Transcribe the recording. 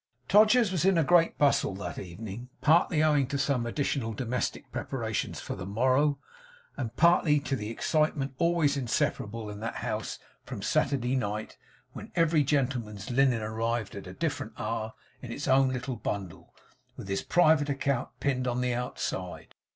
Todgers's was in a great bustle that evening, partly owing to some additional domestic preparations for the morrow, and partly to the excitement always inseparable in that house from Saturday night, when every gentleman's linen arrived at a different hour in its own little bundle, with his private account pinned on the outside.